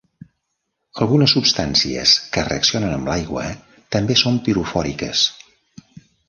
Algunes substàncies que reaccionen amb l'aigua també són pirofòriques.